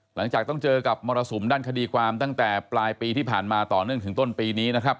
หลังจากต้องเจอกับมรสุมด้านคดีความตั้งแต่ปลายปีที่ผ่านมาต่อเนื่องถึงต้นปีนี้นะครับ